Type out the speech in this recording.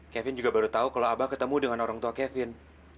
kevin juga baru tahu kalau abah ketemu dengan orang tua kevin